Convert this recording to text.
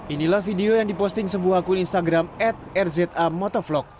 inilah video yang diposting sebuah akun instagram at rza motovlog